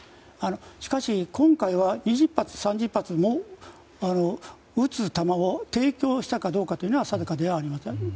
しかし、今回は２０発、３０発も撃つ弾を提供したかどうかは定かではありません。